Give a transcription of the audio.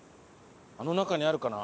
あの中にあるかな？